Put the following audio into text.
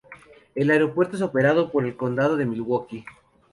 El aeropuerto es operado por el condado de Milwaukee.